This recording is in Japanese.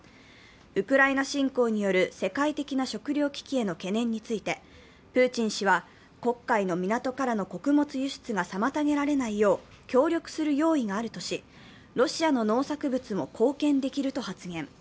ウクライナ侵攻による世界的な食糧危機への懸念についてプーチン氏は黒海の港からの穀物輸出が妨げられないよう協力する用意があるとしロシアの農作物も貢献できると発言。